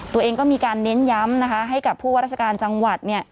ตัวเองก็มีการเน้นย้ำนะคะให้กับผู้ว่าราชการจังหวัด